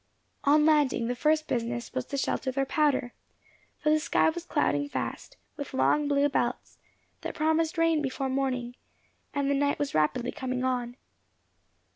On landing, their first business was to shelter their powder, for the sky was clouding fast, with long blue belts, that promised rain before morning, and the night was rapidly coming on.